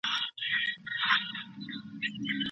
ولي زیارکښ کس د تکړه سړي په پرتله موخي ترلاسه کوي؟